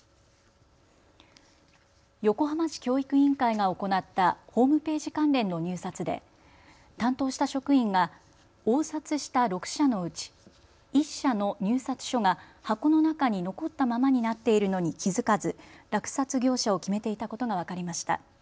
横浜市教育委員会が行ったホームページ関連の入札で担当した職員が応札した６社のうち１社の入札書が箱の中に残ったままになっているのに気付かず落札業者を決めていたことが分かりました。